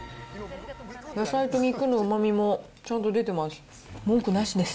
野菜と肉のうまみもちゃんと出てます。